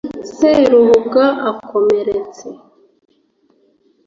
seruhuga akomeretse